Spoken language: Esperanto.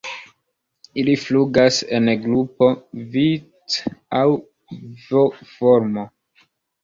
Ili flugas en grupo vice aŭ V-formo.